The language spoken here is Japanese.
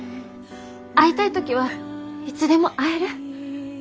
会いたい時はいつでも会える。